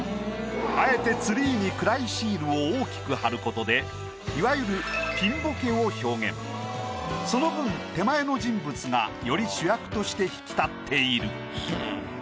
あえてツリーに暗いシールを大きく貼ることでいわゆるその分手前の人物がより主役として引き立っている。